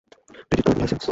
Credit card, licence.